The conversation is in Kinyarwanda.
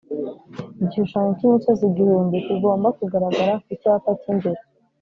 Igishushanyo cy’ imisozi igihumbi kigomba kugaragara ku cyapa cy’imbere